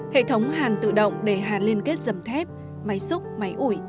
hệ thống hàn tự động để hàn liên kết dầm thép máy xúc máy ủi